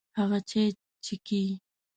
هغه چای چیکي.